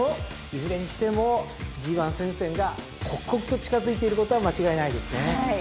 いずれにしてもＧⅠ戦線が刻々と近づいていることは間違いないですね。